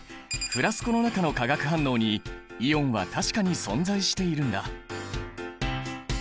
フラスコの中の化学反応にイオンは確かに存在しているんだ。